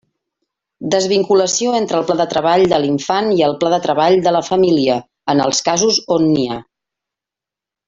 Desvinculació entre el pla de treball de l'infant i el pla de treball de la família, en els casos on n'hi ha.